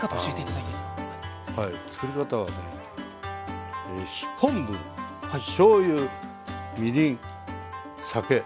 つくり方はね昆布しょうゆみりん酒。